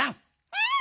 うん！